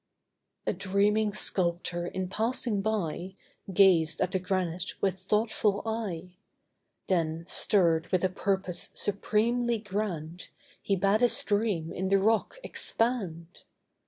A dreaming sculptor in passing by Gazed at the granite with thoughtful eye. Then stirred with a purpose supremely grand He bade his dream in the rock expand.